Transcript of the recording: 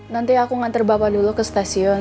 nanti aku nganter bapak dulu ke stasiun